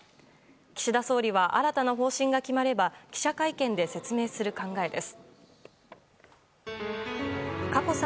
岸田総理は新たな方針が決まれば記者会見で説明する考えです。